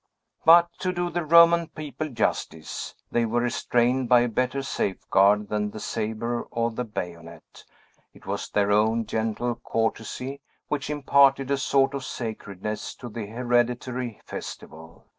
But, to do the Roman people justice, they were restrained by a better safeguard than the sabre or the bayonet; it was their own gentle courtesy, which imparted a sort of sacredness to the hereditary festival.